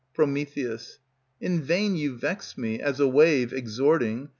Pr. In vain you vex me, as a wave, exhorting.